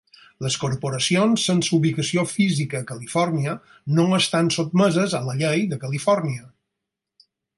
Les corporacions sense ubicació física a Califòrnia no estan sotmeses a la llei de Califòrnia.